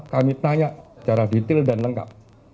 kami tanya secara detail dan lengkap